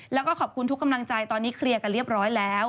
แล้วก็ขอบคุณทุกกำลังใจตอนนี้เคลียร์กันเรียบร้อยแล้ว